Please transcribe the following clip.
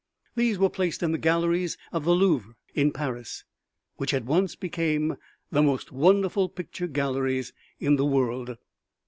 These were placed in the galleries of the Louvre in Paris, which at once became the most wonderful picture galleries in the world.